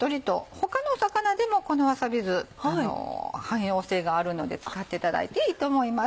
他の魚でもこのわさび酢汎用性があるので使っていただいていいと思います。